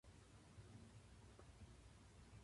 朝日がまぶしい。